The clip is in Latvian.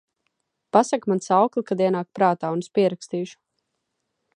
Pasaki man saukli, kad ienāk prātā, un es pierakstīšu…